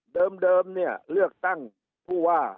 เดิมเลือกตั้งผู้ว่า